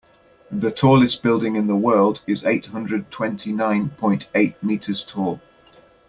The tallest building in the world is eight hundred twenty nine point eight meters tall.